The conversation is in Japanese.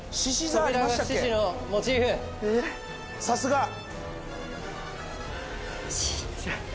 さすが！